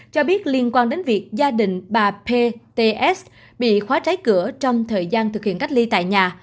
cho biết liên quan đến việc gia đình bà p tts bị khóa trái cửa trong thời gian thực hiện cách ly tại nhà